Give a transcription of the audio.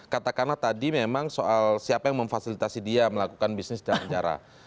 katakanlah tadi memang soal siapa yang memfasilitasi dia melakukan bisnis dalam cara